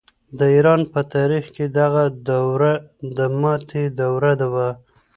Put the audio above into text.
د ایران په تاریخ کې دغه دوره د ماتې دوره وه.